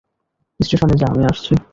স্টেশনে যা, আমি আসছি।